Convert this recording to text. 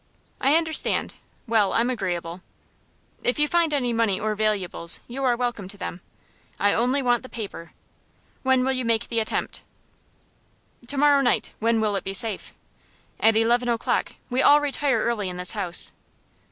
"I understand. Well, I'm agreeable." "If you find any money or valuables, you are welcome to them. I only want the paper. When will you make the attempt?" "To morrow night. When will it be safe?" "At eleven o'clock. We all retire early in this house.